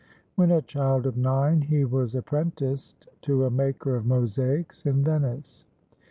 When a child of nine, he was apprenticed to a maker of mosaics in Venice.